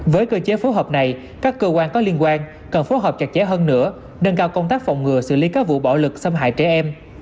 với cơ chế phối hợp này các cơ quan có liên quan cần phối hợp chặt chẽ hơn nữa nâng cao công tác phòng ngừa xử lý các vụ bạo lực xâm hại trẻ em